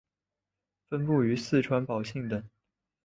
分布于四川宝兴等。